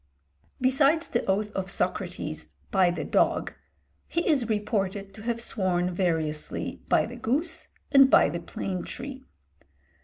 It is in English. Besides the oath of Socrates, "by the dog," he is reported to have sworn variously by the goose and by the plane tree.